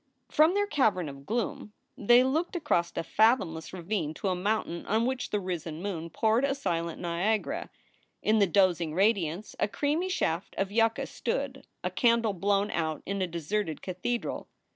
From their cavern of gloom they looked across a fathom 280 SOULS FOR SALE less ravine to a mountain on which the risen moon poured a silent Niagara. In the dozing radiance a creamy shaft of yucca stood, a candle blown out in a deserted cathedral.